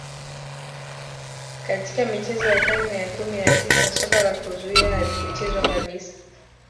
Katika michezo ya karne ya kumi na tisa soka la kuzuia halikuchezwa kabisa